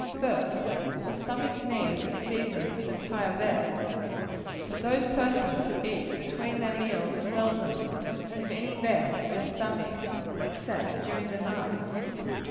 First the stomach needs its seasons of entire rest; but those persons who eat between their meals seldom give any rest to their stomachs, except during the night.